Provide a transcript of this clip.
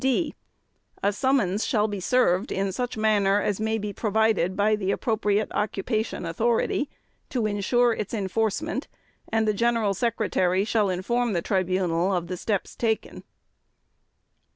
(d) A summons shall be served in such manner as may be provided by the appropriate occupation authority to ensure its enforcement and the General Secretary shall inform the Tribunal of the steps taken.